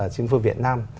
chính phủ việt nam